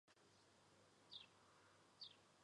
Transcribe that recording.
总会所因此成为重新联合的苏格兰教会的总会所。